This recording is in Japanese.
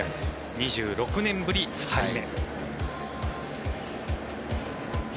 ２６年ぶり２人目。